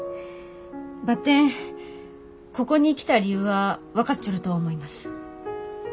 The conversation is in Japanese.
ばってんここに来た理由は分かっちょると思います。